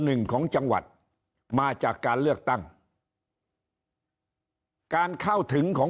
หนึ่งของจังหวัดมาจากการเลือกตั้งการเข้าถึงของ